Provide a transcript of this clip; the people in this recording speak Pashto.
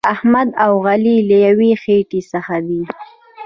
احمد او علي له یوې خټې څخه دي.